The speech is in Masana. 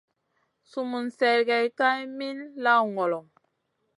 Sum mun sergue Kay min lawn ngolo.